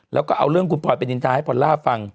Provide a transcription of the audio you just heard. แล้วก็เอาเรื่องคุณพลอยไปนินทาให้พอลล่าฟัง